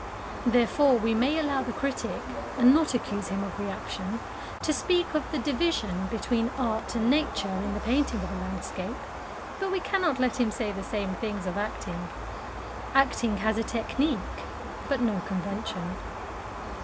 Therefore we may allow the critic and not accuse him of reaction to speak of the division between art and Nature in the painting of a landscape, but we cannot let him say the same things of acting. Acting has a technique, but no convention.